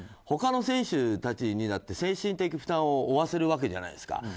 他の選手たちにだって精神的負担を負わせるわけじゃないですか。